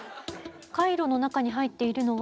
カイロの中に入っているのは